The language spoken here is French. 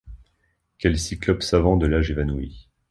Quel cyclope savant de l’âge évanoui